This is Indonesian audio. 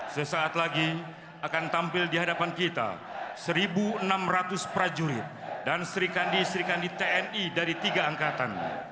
sesaat lagi akan tampil di hadapan kita satu enam ratus prajurit dan serikandi serikandi tni dari tiga angkatan